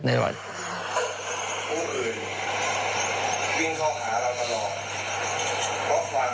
เพราะความเป็นนาเดชน์